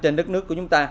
trên đất nước của chúng ta